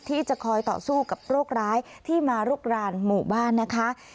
ที่จะคอยต่อสู้กับโรคร้ายที่มาลุกรานหมู่บ้านนะคะ